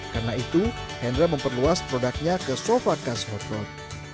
karena itu hendra memperluas produknya ke sofa khas hot rod